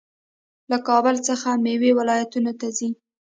له کابل څخه میوې ولایتونو ته ځي.